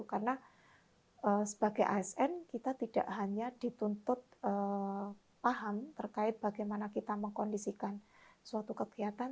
karena sebagai asn kita tidak hanya dituntut paham terkait bagaimana kita mengkondisikan suatu kegiatan